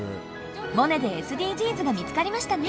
「モネ」でＳＤＧｓが見つかりましたね！